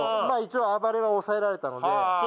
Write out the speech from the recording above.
まあ一応暴れは抑えられたので。